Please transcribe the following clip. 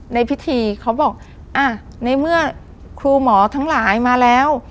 ในพิธีเขาบอกอ่ะในเมื่อครูหมอทั้งหลายมาแล้ว